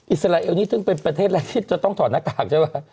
อิสราเอลนี่ซึ่งเป็นประเทศแรกที่จะต้องถอดหน้ากากใช่ไหม